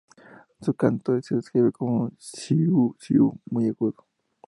Su canto se describe como un "siiu-siiu" muy agudo.